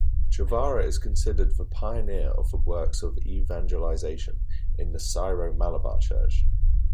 Chavara is considered the pioneer of the works of evangelization in the Syro-Malabar Church.